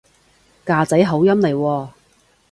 㗎仔口音嚟喎